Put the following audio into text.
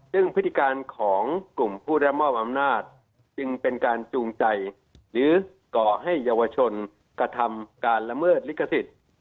ซึ่งพฤติการของกลุ่มผู้รับมอบอำนาจจึงเป็นการจูงใจหรือก่อให้เยาวชนกระทำการละเมิดลิขสิทธิ์